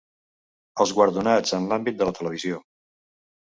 Els guardonats en l’àmbit de la televisió.